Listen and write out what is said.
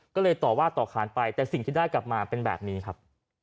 ก็เลยต่อว่าต่อขานไปแต่สิ่งที่ได้กลับมาเป็นแบบนี้ครับ